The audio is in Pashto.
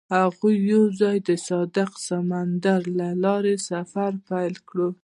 هغوی یوځای د صادق سمندر له لارې سفر پیل کړ.